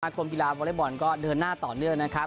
คมกีฬาวอเล็กบอลก็เดินหน้าต่อเนื่องนะครับ